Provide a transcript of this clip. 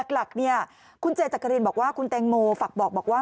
หลักคุณเจจักรินบอกว่าคุณแตงโมฝากบอกว่า